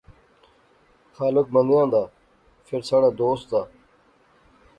خالق مندیاں دا فہ ساڑھا دوست دا